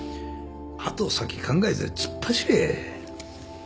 後先考えず突っ走れ